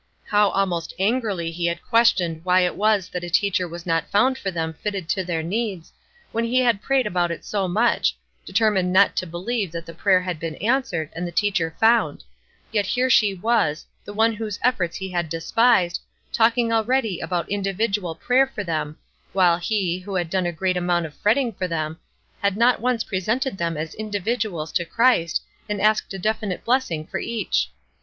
How almost angrily he had questioned why it was that a teacher was not found for them fitted to their needs; when he had prayed about it so much; determined not to believe that the prayer had been answered, and the teacher found; yet here she was, the one whose efforts he had despised, talking already about individual prayer for them, while he, who had done a great amount of fretting for them, had not once presented them as individuals to Christ, and asked a definite blessing for each!